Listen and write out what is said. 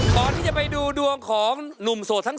พอให้ได้ไปดูดวงของหนุ่มโสตทั้ง๔